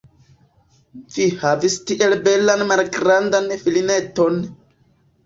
Vi havis tiel belan malgrandan filineton!